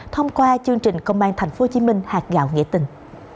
thông qua chương trình công an tp hcm hạt gạo nghĩa tình